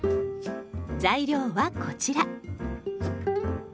材料はこちら。